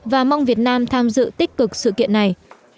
và mong việt nam tham dự tích cực sự kiện này